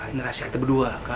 ini rahasia kita berdua kak